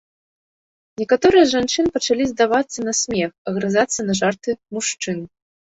Некаторыя з жанчын пачалі здавацца на смех, агрызацца на жарты мужчын.